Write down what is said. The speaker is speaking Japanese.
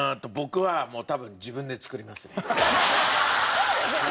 そうですよね！